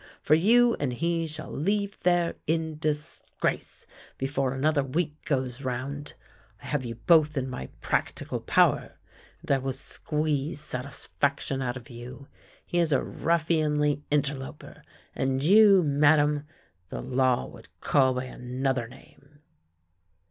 For you and he shall leave there in disgrace before another week goes round. I have you both in my ' practical power,' and I will squeeze satisfaction out of you. He is a ruffianly inter loper, and you, Madame, the law would call by another name!